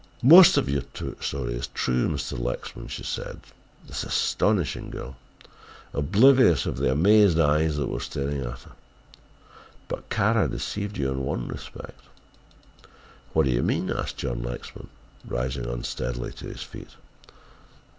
"Most of your story is true, Mr. Lexman," said this astonishing girl, oblivious of the amazed eyes that were staring at her, "but Kara deceived you in one respect." "What do you mean?" asked John Lexman, rising unsteadily to his feet.